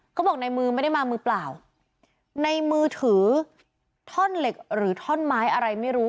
เขาบอกในมือไม่ได้มามือเปล่าในมือถือท่อนเหล็กหรือท่อนไม้อะไรไม่รู้